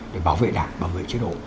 để bảo vệ đảng bảo vệ chế độ